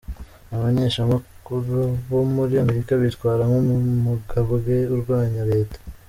Abamenyeshamakuru bo muri Amerika bitwara 'nk'umugambwe urwanya reta'.